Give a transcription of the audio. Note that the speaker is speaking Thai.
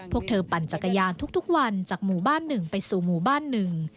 พวกเธอปั่นจักรยานทุกวันจากหมู่บ้านหนึ่งไปสู่หมู่บ้านหนึ่ง